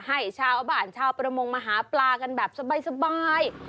ให้ชาวบ้านชาวประมงมาหาปลากันแบบสบาย